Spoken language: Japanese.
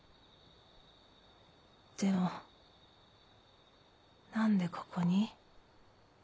でも何でここに？